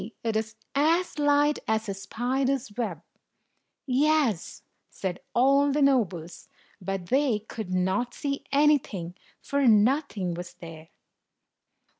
It is as light as a spider's web." "Yes," said all the nobles; but they could not see anything, for nothing was there.